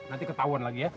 nanti ketahuan lagi ya